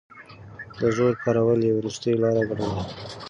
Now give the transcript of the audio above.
د زور کارول يې وروستۍ لاره ګڼله.